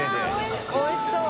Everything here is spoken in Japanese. いやおいしそう！